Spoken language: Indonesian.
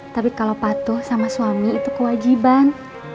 tapi kalau patuh sama suami itu kewajiban